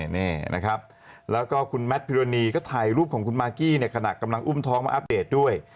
นี่นะครับแล้วก็คุณแมทพิรณีก็ถ่ายรูปของคุณมากกี้ในขณะกำลังอุ้มท้องมาอัปเดตด้วย